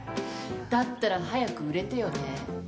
だったら早く売れてよね。